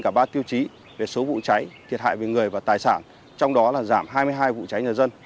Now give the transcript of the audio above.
cả ba tiêu chí về số vụ cháy thiệt hại về người và tài sản trong đó là giảm hai mươi hai vụ cháy nhà dân